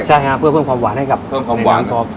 ใช่ฮะเพื่อเพิ่มความหวานให้กับในน้ำซอบ